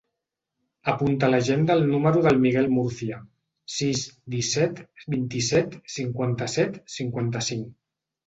Apunta a l'agenda el número del Miguel Murcia: sis, disset, vint-i-set, cinquanta-set, cinquanta-cinc.